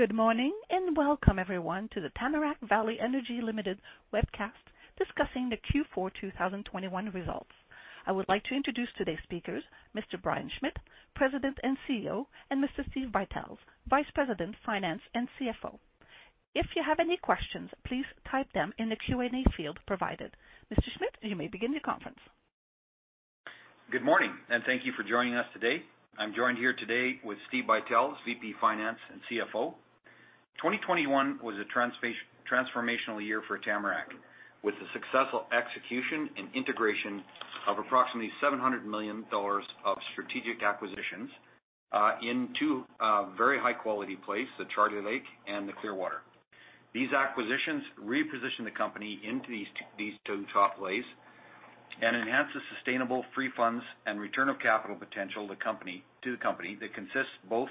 Good morning, and welcome everyone to the Tamarack Valley Energy Ltd. webcast discussing the Q4 2021 results. I would like to introduce today's speakers, Mr. Brian Schmidt, President and CEO, and Mr. Steve Buytels, Vice President, Finance and CFO. If you have any questions, please type them in the Q&A field provided. Mr. Schmidt, you may begin your conference. Good morning, and thank you for joining us today. I'm joined here today with Steve Buytels, VP, Finance & CFO. 2021 was a transformational year for Tamarack, with the successful execution and integration of approximately 700 million dollars of strategic acquisitions very high quality plays, the Charlie Lake and the Clearwater. These acquisitions reposition the company into these two top ways and enhance the sustainable free funds and return of capital potential of the company that consists both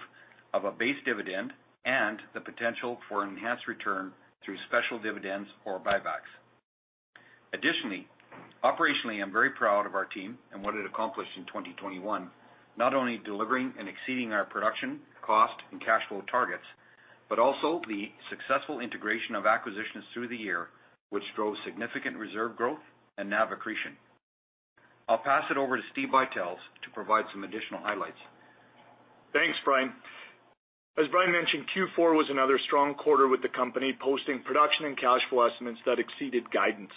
of a base dividend and the potential for enhanced return through special dividends or buybacks. Additionally, operationally, I'm very proud of our team and what it accomplished in 2021, not only delivering and exceeding our production, cost, and cash flow targets, but also the successful integration of acquisitions through the year, which drove significant reserve growth and NAV accretion. I'll pass it over to Steve Buytels to provide some additional highlights. Thanks, Brian. As Brian mentioned, Q4 was another strong quarter with the company posting production and cash flow estimates that exceeded guidance.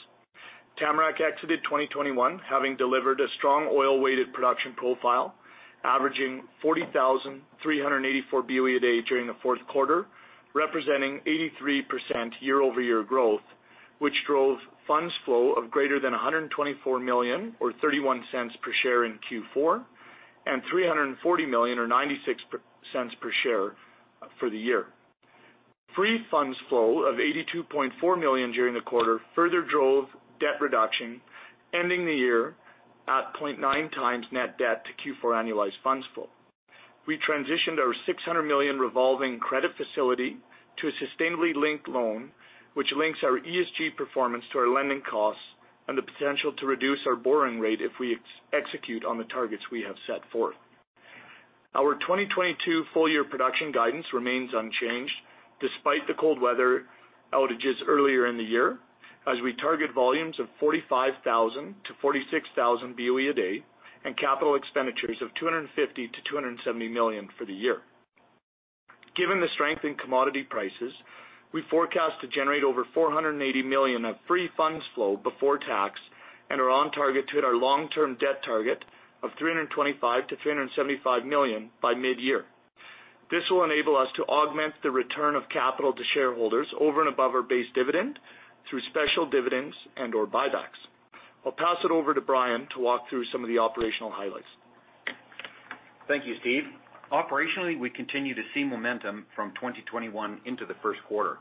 Tamarack exited 2021, having delivered a strong oil-weighted production profile, averaging 40,384 BOE a day during the fourth quarter, representing 83% year-over-year growth, which drove funds flow of greater than 124 million or 0.31 per share in Q4, and 340 million or 0.96 per share for the year. Free funds flow of 82.4 million during the quarter further drove debt reduction, ending the year at 0.9x net debt to Q4 annualized funds flow. We transitioned our 600 million revolving credit facility to a sustainability-linked loan, which links our ESG performance to our lending costs and the potential to reduce our borrowing rate if we execute on the targets we have set forth. Our 2022 full year production guidance remains unchanged despite the cold weather outages earlier in the year, as we target volumes of 45,000-46,000 BOE a day and capital expenditures of 250 million-270 million for the year. Given the strength in commodity prices, we forecast to generate over 480 million of free funds flow before tax and are on target to hit our long-term debt target of 325 million-375 million by mid-year. This will enable us to augment the return of capital to shareholders over and above our base dividend through special dividends and/or buybacks. I'll pass it over to Brian to walk through some of the operational highlights. Thank you, Steve. Operationally, we continue to see momentum from 2021 into the first quarter.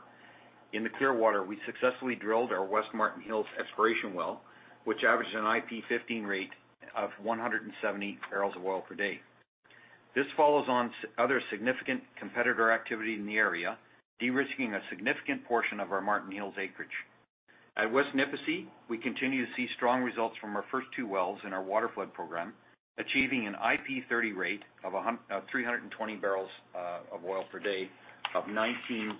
In the Clearwater, we successfully drilled our West Martin Hills exploration well, which averages an IP15 rate of 170 barrels of oil per day. This follows on other significant competitor activity in the area, de-risking a significant portion of our Martin Hills acreage. At West Nipisi, we continue to see strong results from our first two wells in our waterflood program, achieving an IP30 rate of 320 barrels of oil per day of 19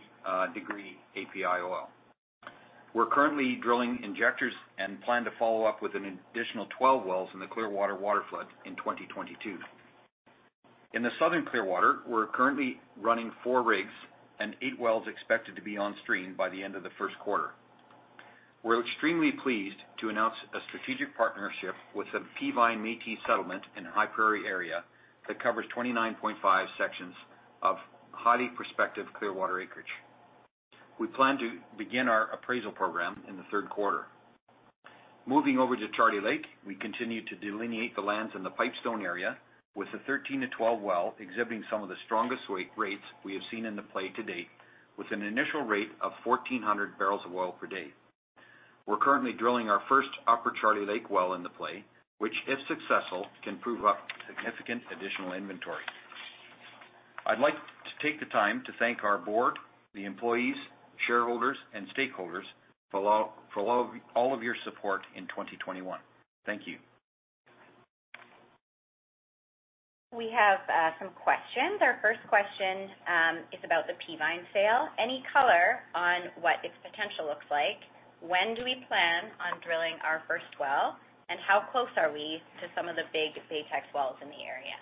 degree API oil. We're currently drilling injectors and plan to follow up with an additional 12 wells in the Clearwater waterflood in 2022. In the southern Clearwater, we're currently running four rigs and eight wells expected to be on stream by the end of the first quarter. We're extremely pleased to announce a strategic partnership with the Peavine Métis Settlement in High Prairie area that covers 29.5 sections of highly prospective Clearwater acreage. We plan to begin our appraisal program in the third quarter. Moving over to Charlie Lake, we continue to delineate the lands in the Pipestone area with the 13-12 well exhibiting some of the strongest lake rates we have seen in the play to date, with an initial rate of 1,400 barrels of oil per day. We're currently drilling our first Upper Charlie Lake well in the play, which, if successful, can prove up significant additional inventory. I'd like to take the time to thank our board, the employees, shareholders, and stakeholders for all of your support in 2021. Thank you. We have some questions. Our first question is about the Peavine sale. Any color on what its potential looks like? When do we plan on drilling our first well, and how close are we to some of the big Baytex wells in the area?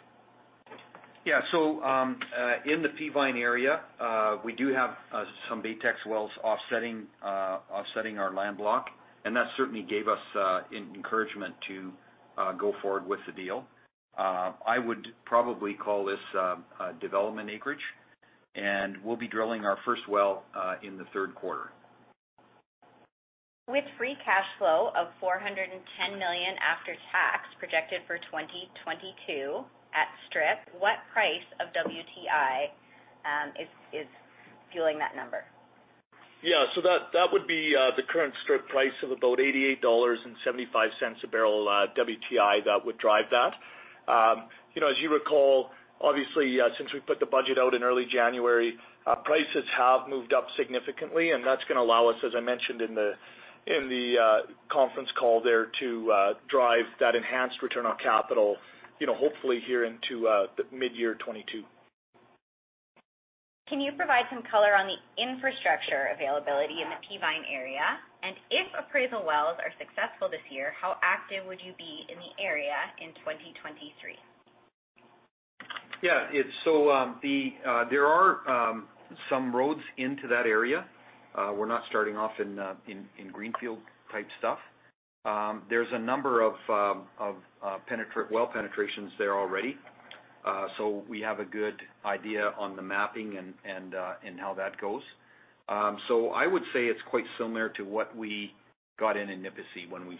In the Peavine area, we do have some Baytex wells offsetting our land block, and that certainly gave us encouragement to go forward with the deal. I would probably call this a development acreage, and we'll be drilling our first well in the third quarter. With free cash flow of 410 million after tax projected for 2022 at strip, what price of WTI is fueling that number? That would be the current strip price of about $88.75 a barrel WTI that would drive that. You know, as you recall, obviously, since we put the budget out in early January, prices have moved up significantly. That's gonna allow us, as I mentioned in the conference call there, to drive that enhanced return on capital, you know, hopefully here into the mid-year 2022. Can you provide some color on the infrastructure availability in the Peavine area? If appraisal wells are successful this year, how active would you be in the area in 2023? There are some roads into that area. We're not starting off in greenfield type stuff. There's a number of well penetrations there already. We have a good idea on the mapping and how that goes. I would say it's quite similar to what we got in Nipisi when we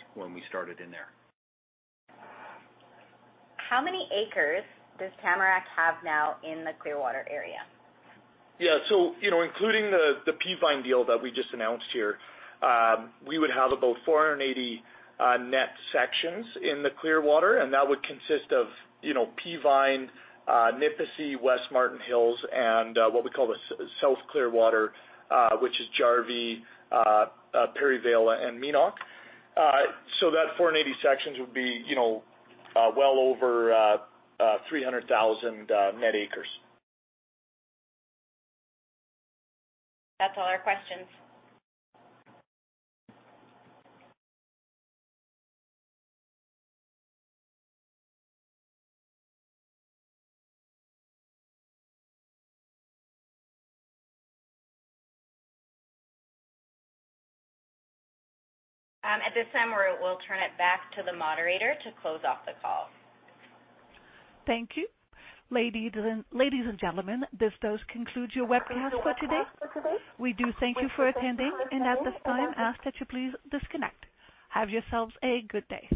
started in there. How many acres does Tamarack have now in the Clearwater area? Including the Peavine deal that we just announced here, we would have about 480 net sections in the Clearwater, and that would consist of, you know, Peavine, Nipisi, West Martin Hills, and what we call the South Clearwater, which is Jarvie, Perryvale, and Meanook. That 480 sections would be, you know, well over 300,000 net acres. That's all our questions. At this time, we'll turn it back to the moderator to close off the call. Thank you. Ladies and gentlemen, this does conclude your webcast for today. We do thank you for attending, and at this time ask that you please disconnect. Have yourselves a good day.